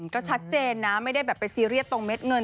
ก็ชัดเจนนะไม่ได้แบบไปซีเรียสตรงเม็ดเงิน